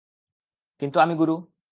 কিন্তু আমি গুরু!